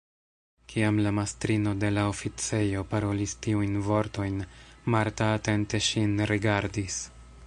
Kiam la mastrino de la oficejo parolis tiujn vortojn, Marta atente ŝin rigardis.